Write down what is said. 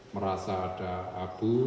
merasa ada abu